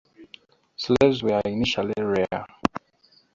Slaves were initially rare.